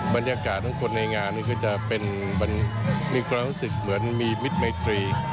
บรรยากาศของคนในงานนี่คือจะเป็นมีความรู้สึกเหมือนมีมิตรไมตรี